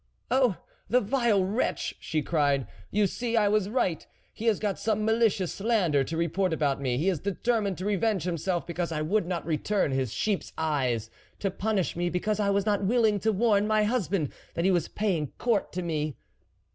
" Oh ! the vile wretch !" she cried, " you see, I was right ; he has got some malicious slander to report about me ; he is determined to revenge himself because I would not return his sheep's eyes, to punish me because I was not willing to warn my husband that he was paying court to me."